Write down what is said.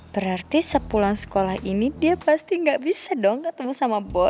berarti sepulang sekolah ini dia pasti gak bisa dong ketemu sama bos